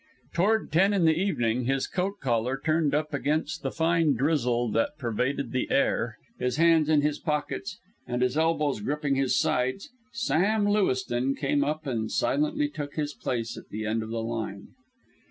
Toward ten in the evening, his coat collar turned up against the fine drizzle that pervaded the air, his hands in his pockets, his elbows gripping his sides, Sam Lewiston came up and silently took his place at the end of the line.